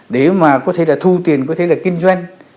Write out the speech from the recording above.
để mà có thể là thu tiền có thể là kinh doanh